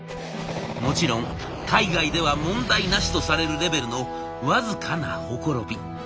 もちろん海外では「問題なし」とされるレベルの僅かなほころび。